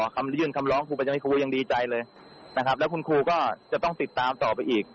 คำยื่นคำร้องครูประจำให้ครูยังดีใจเลยนะครับแล้วคุณครูก็จะต้องติดตามต่อไปอีก